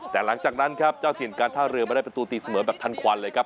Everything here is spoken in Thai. แต่หลังจากนั้นครับเจ้าถิ่นการท่าเรือมาได้ประตูตีเสมอแบบทันควันเลยครับ